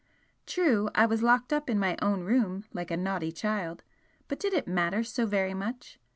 True, I was locked up in my own room like a naughty child, but did it matter so very much?